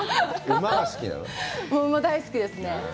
馬大好きですね。